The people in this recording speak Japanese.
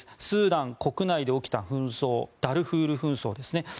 スーダン国内で起きた紛争ダルフール紛争ですね。